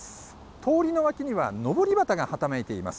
通りの脇にはのぼり旗がはためいています。